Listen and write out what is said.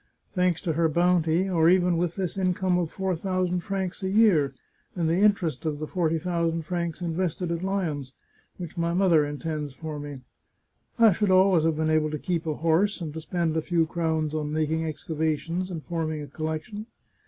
Thanks to her bounty — or even with this income of four thousand francs a year, and the interest of the forty thousand francs invested at Lyons, which my mother intends for me — I should always have been able to keep a horse and to spend a few crowns on making excavations and forming a collec tion.